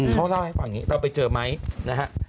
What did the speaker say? เขาเล่าให้ฟังอย่างนี้เราไปเจอไหมนะฮะ